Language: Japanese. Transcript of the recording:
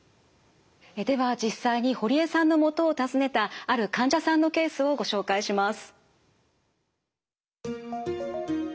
では実際に堀江さんのもとを訪ねたある患者さんのケースをご紹介します。